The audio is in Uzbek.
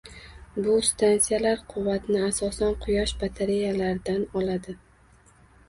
Bu stansiyalar quvvatni asosan quyosh batareyalaridan oladi.